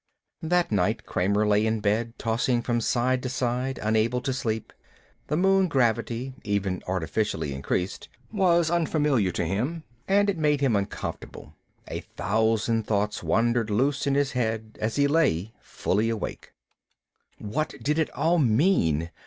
That night Kramer lay in bed, tossing from side to side, unable to sleep. The moon gravity, even artificially increased, was unfamiliar to him and it made him uncomfortable. A thousand thoughts wandered loose in his head as he lay, fully awake. What did it all mean?